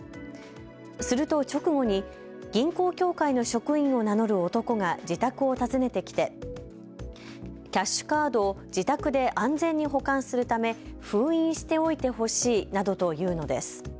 すると直後に銀行協会の職員を名乗る男が自宅を訪ねてきてキャッシュカードを自宅で安全に保管するため封印しておいてほしいなどと言うのです。